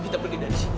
kita pergi dari sini